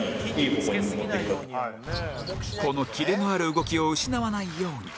このキレのある動きを失わないように